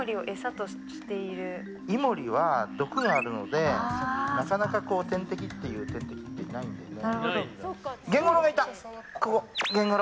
イモリは毒があるのでなかなか天敵という天敵はいないんですね。